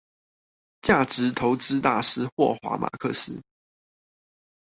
價值投資大師霍華馬克斯